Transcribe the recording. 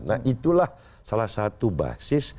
nah itulah salah satu basis